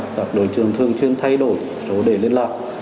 các đối tượng thường chuyên thay đổi số đề liên lạc